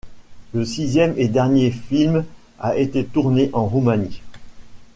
Le sixième et dernier film a été tourné en Roumanie.